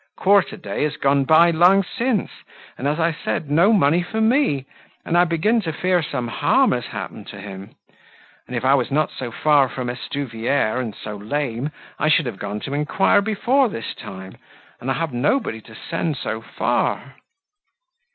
Quarter day is gone by long since, and, as I said, no money for me; and I begin to fear some harm has happened to him: and if I was not so far from Estuvière and so lame, I should have gone to enquire before this time; and I have nobody to send so far."